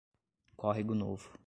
Córrego Novo